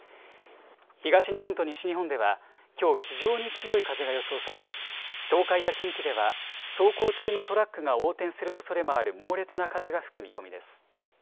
東日本と西日本ではきょう非常に強い風が予想され、東海や近畿では、走行中のトラックが横転するおそれもある猛烈な風が吹く見込みです。